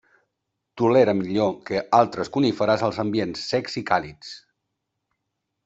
Tolera millor que altres coníferes els ambients secs i càlids.